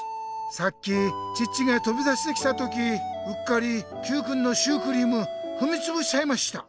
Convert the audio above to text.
さっきチッチがとび出してきた時うっかりＱくんのシュークリームふみつぶしちゃいました。